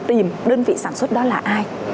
tìm đơn vị sản xuất đó là ai